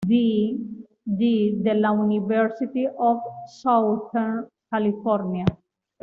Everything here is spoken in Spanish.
D. de la University of Southern California.